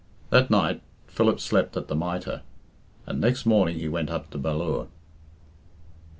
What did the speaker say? That night Philip slept at the "Mitre," and next morning he went up to Ballure. IV.